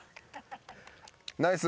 ナイス。